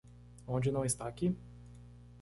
Onde não está aqui?